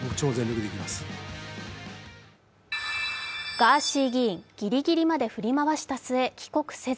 ガーシー議員、ギリギリまで振り回した末、帰国せず。